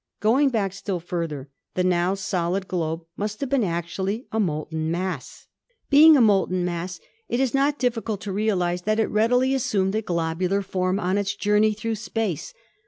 Going back still further, the now solid globe must have been actually a molten mass. Being a molten mass, it is not difficult to realize that it readily assumed a globular form on its jour ney through space.